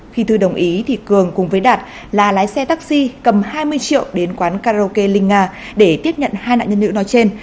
khi thư đồng ý thì cường cùng với đạt là lái xe taxi cầm hai mươi triệu đến quán karaoke linh nga để tiếp nhận hai nạn nhân nữ nói trên